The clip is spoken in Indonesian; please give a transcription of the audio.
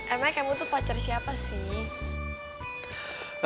emang kamu tuh pacar siapa sih